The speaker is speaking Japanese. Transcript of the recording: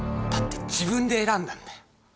「だって自分で選んだんだよ」